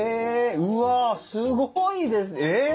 うわすごいですえっ！